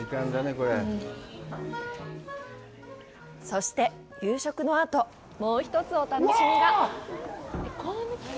そして、夕食のあともう一つ、お楽しみが。